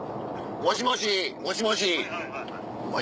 もしもしもしもしお前